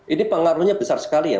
ini pengaruhnya besar sekali ya